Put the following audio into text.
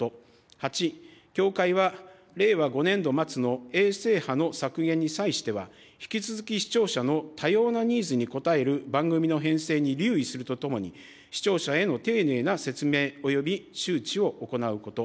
８、協会は令和５年度末の衛星波の削減に際しては、引き続き視聴者の多様なニーズに応える番組の編成に留意するとともに、視聴者への丁寧な説明および周知を行うこと。